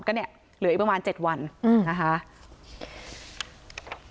ก็เนี่ยเหลืออีกประมาณ๗วันนะคะ